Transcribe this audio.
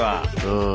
うん。